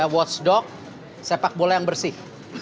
watchdog sepak bola yang bersih